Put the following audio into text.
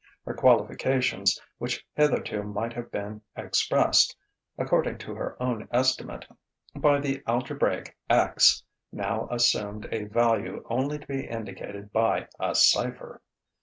Her qualifications, which hitherto might have been expressed, according to her own estimate, by the algebraic X, now assumed a value only to be indicated by a cipher.